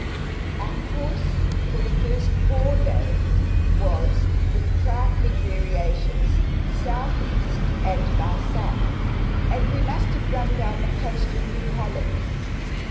Our course for the first four days was, with trifling variations, S.E. and by S.; and we must have run down the coast of New Holland.